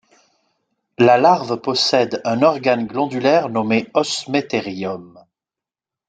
La larve possède un organe glandulaire nommé osmeterium.